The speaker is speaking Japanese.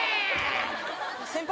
先輩？